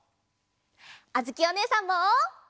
あづきおねえさんも。